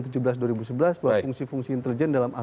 fungsi fungsi intelijen dalam aspek